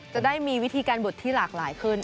จะได้มีวิธีการบดที่หลากหลายขึ้น